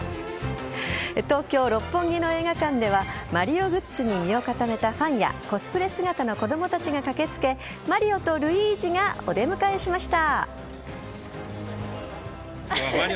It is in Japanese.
東京・六本木の映画館ではマリオグッズに身を固めたファンやコスプレ姿の子供たちが駆けつけマリオとルイージがお出迎えしました。